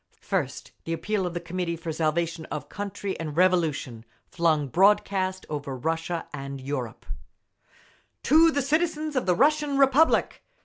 First, the appeal of the Committee for Salvation of Country and Revolution, flung broadcast over Russia and Europe: TO THE CITIZENS OF THE RUSSIAN REPUBLIC!